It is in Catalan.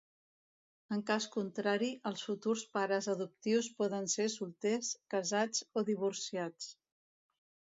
En cas contrari, els futurs pares adoptius poden ser solters, casats o divorciats.